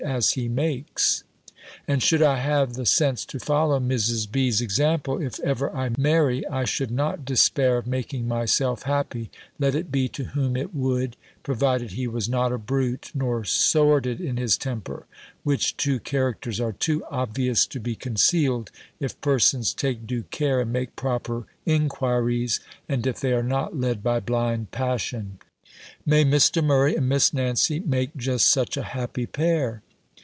as he makes. And should I have the sense to follow Mrs. B.'s example, if ever I marry, I should not despair of making myself happy, let it be to whom it would, provided he was not a brute, nor sordid in his temper; which two characters are too obvious to be concealed, if persons take due care, and make proper inquiries, and if they are not led by blind passion. May Mr. Murray and Miss Nancy make just such a happy pair!